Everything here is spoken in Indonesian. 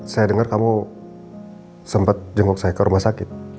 saya denger kamu sempat jenguk saya ke rumah sakit